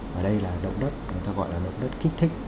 và đây là động đất người ta gọi là động đất kích thích